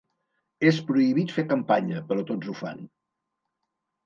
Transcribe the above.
És prohibit fer campanya, però tots ho fan.